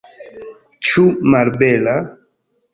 Ĉu malbela?